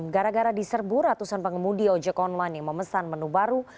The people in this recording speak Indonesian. gara gara diserbu ratusan pengemudi ojek online yang memesan menu baru